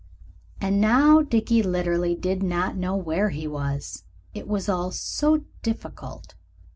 And now Dickie literally did not know where he was. It was all so difficult.